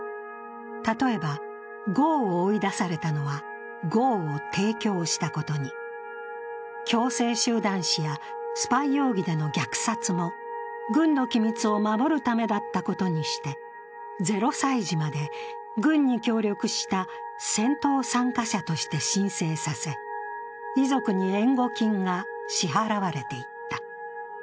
例えば、ごうを追い出されたのは、ごうを提供したことに、強制集団死やスパイ容疑での虐殺も、軍の機密を守るためだったことにして０歳児まで軍に協力した戦闘参加者として申請させ、遺族に援護金が支払われていった。